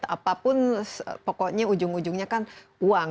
apapun pokoknya ujung ujungnya kan uang